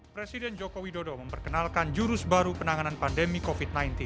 presiden joko widodo memperkenalkan jurus baru penanganan pandemi covid sembilan belas